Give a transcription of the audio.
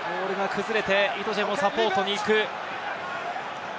イトジェもサポートに行く。